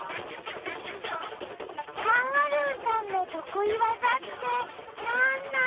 カンガルーさんのとくいわざってなんなの？